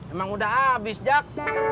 emang udah abis jak